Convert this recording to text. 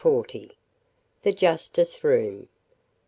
THE JUSTICE ROOM.